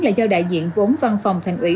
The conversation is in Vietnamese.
là do đại diện vốn văn phòng thành ủy